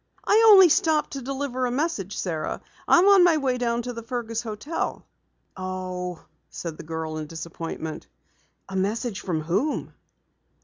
"I only stopped to deliver a message, Sara. I am on my way down to the Fergus hotel." "Oh," said the girl in disappointment. "A message from whom?"